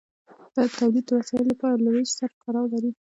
دا د تولید د وسایلو له ویش سره تړاو لري.